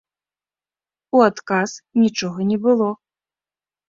У адказ нічога не было.